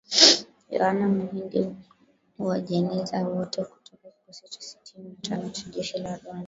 Yoano Muhindi Uwajeneza, wote kutoka kikosi cha sitini na tano cha jeshi la Rwanda